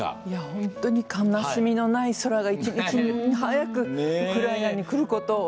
本当に悲しみのない空が一日も早くウクライナにくることを。